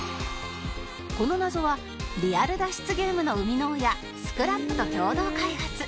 この謎はリアル脱出ゲームの生みの親 ＳＣＲＡＰ と共同開発